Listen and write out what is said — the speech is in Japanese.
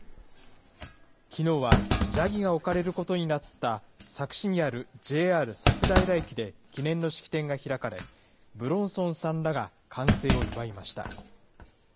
きのうは、ジャギが置かれることになった佐久市にあるＪＲ佐久平駅で記念の式典が開かれ、武論尊さんらが完成を祝いました。